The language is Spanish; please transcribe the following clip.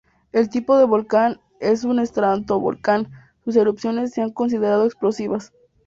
El tipo de volcán es un estratovolcán; sus erupciones se han considerado explosivas.